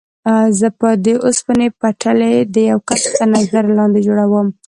زه به د اوسپنې پټلۍ د یوه کس تر نظر لاندې جوړوم.